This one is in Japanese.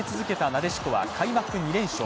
なでしこは開幕２連勝。